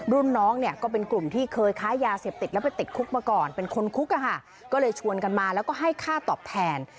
รุ่นน้องเนี่ยก็เป็นกลุ่มที่เคยค้ายาเสพติดแล้วไปติดคุกมาก่อนเป็นคนคุกอะค่ะก็เลยชวนกันมาแล้วก็ให้ค่าตอบแทน